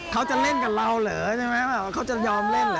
เขาจะเล่นกับเราเหรอใช่ไหมว่าเขาจะยอมเล่นเหรอ